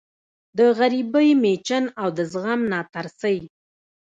د غریبۍ مېچن او د زغم ناترسۍ